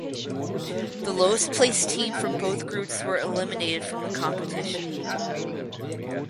The lowest placed team from both groups were eliminated from the competition.